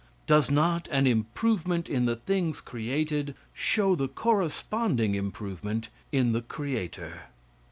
Does not an improvement in the things created, show the corresponding improvement in the creator?